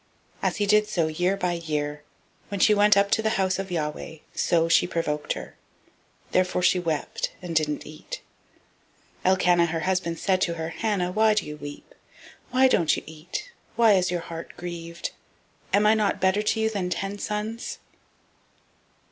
001:007 [as] he did so year by year, when she went up to the house of Yahweh, so she provoked her; therefore she wept, and did not eat. 001:008 Elkanah her husband said to her, Hannah, why weep you? and why don't you eat? and why is your heart grieved? am I not better to you than ten sons?